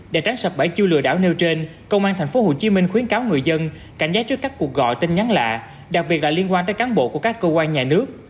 để tránh sập bẫy chiêu lừa đảo nêu trên công an tp hcm khuyến cáo người dân cảnh giác trước các cuộc gọi tin nhắn lạ đặc biệt là liên quan tới cán bộ của các cơ quan nhà nước